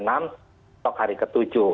setelah hari ke tujuh